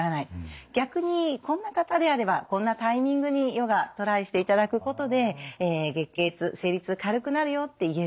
逆にこんな方であればこんなタイミングにヨガトライしていただくことで月経痛生理痛軽くなるよって言える。